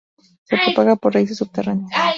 Se propaga por raíces subterráneas.